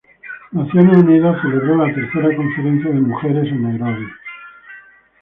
Naciones Unidas celebró la tercera conferencia de mujeres en Nairobi.